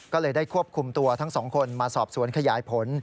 ก็เลยได้ควบคุมตัวทั้งสองคนมาสอบสวนขยายผล